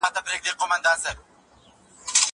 زه له سهاره اوبه پاکوم!